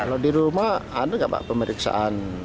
kalau di rumah ada nggak pak pemeriksaan